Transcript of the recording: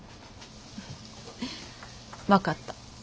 分かった。